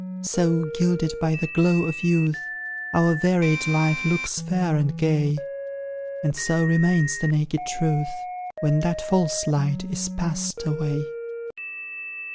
So, gilded by the glow of youth, Our varied life looks fair and gay; And so remains the naked truth, When that false light is past away.